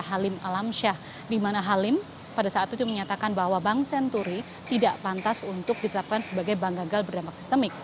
halim pada saat itu menyatakan bahwa bank senturi tidak pantas untuk ditetapkan sebagai bank gagal berdampak sistemik